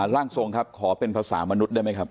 ร่างทรงครับขอเป็นภาษามนุษย์ได้ไหมครับ